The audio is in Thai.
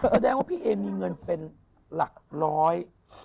แสดงว่าพี่เอมีเงินเป็นหลักร้อย